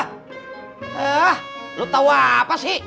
hah lu tau apa sih